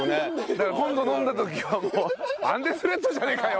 だから今度飲んだ時はもうアンデスレッドじゃねえかよ！